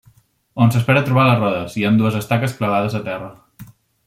On s'espera trobar les rodes, hi han dues estaques clavades a terra.